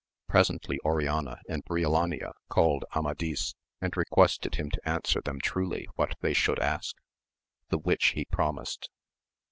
Presently Oriana and Briolania called Amadis, and requested him to answer them truly what they should ask, the which he promised.